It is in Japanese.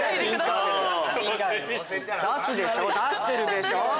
出してるでしょ